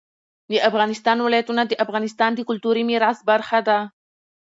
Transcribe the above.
د افغانستان ولايتونه د افغانستان د کلتوري میراث برخه ده.